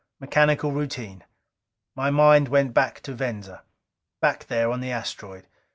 Mechanical routine. My mind went to Venza, back there on the asteroid.